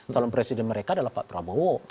calon presiden mereka adalah pak prabowo